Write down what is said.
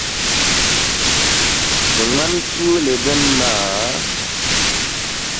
Di ŋmani tuuli dini maa?